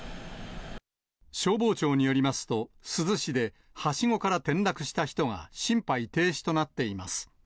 消防庁によりますと、珠洲市で、はしごから転落した人が心肺停止となっています。